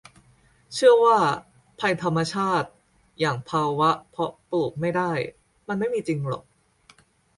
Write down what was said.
เชื่อว่าภัยธรรมชาติอย่างภาวะเพาะปลูกไม่ได้มันไม่มีจริงหรอก